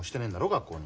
学校に。